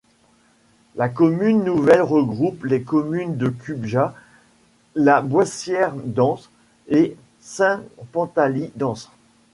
La commune nouvelle regroupe les communes de Cubjac, La Boissière-d'Ans et Saint-Pantaly-d'Ans.